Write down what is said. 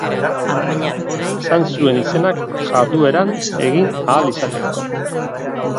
Esan zuen izenak jardueran egin ahal izateko.